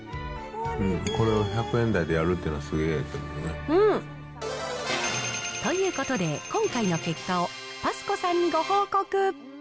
これを１００円台でやるというのはすげぇ。ということで、今回の結果をＰａｓｃｏさんにご報告。